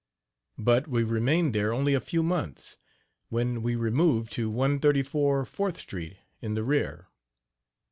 But we remained there only a few months, when we removed to 134 Fourth street in the rear.